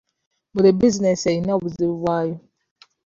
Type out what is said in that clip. Buli bizinesi eyina obuzibu bwayo.